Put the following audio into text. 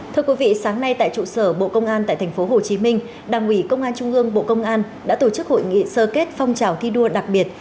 thưa quý vị sáng nay tại trụ sở bộ công an tại tp hcm đảng ủy công an trung ương bộ công an đã tổ chức hội nghị sơ kết phong trào thi đua đặc biệt